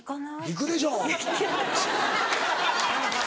行くでしょ。